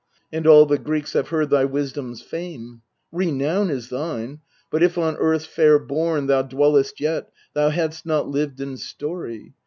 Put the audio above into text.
And all the Greeks have heard thy wisdom's fame. Renown is thine : but if on earth's far bourn Thou dwelledst yet, thou hadst not lived in story.